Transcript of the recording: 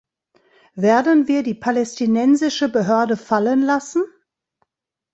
Werden wir die Palästinensische Behörde fallen lassen?